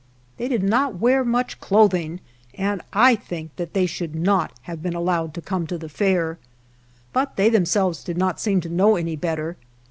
They did not wear much clothing, and I think that they should not have been allowed to come to the Fair. But they themselves did not seem to know any better.